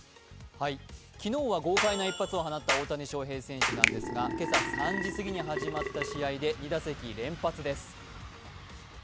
昨日は豪快な一発を放った大谷翔平選手なんですが今朝３時すぎに始まった試合で２打席連発です。